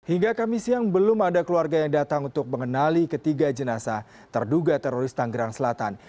hingga kamis siang belum ada keluarga yang datang untuk mengenali ketiga jenazah terduga teroris tanggerang selatan